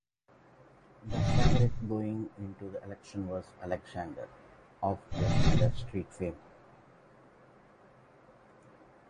The favourite going into the election was Alexander, of Alexander Street fame.